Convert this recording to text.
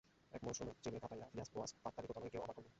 এক মৌসুম চীনে কাটিয়েই ভিয়াস বোয়াস পাততাড়ি গোটানোয় কেউই অবাক হননি।